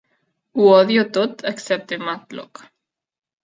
Ho odio tot excepte "Matlock".